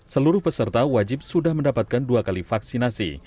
seluruh peserta wajib sudah mendapatkan dua kali vaksinasi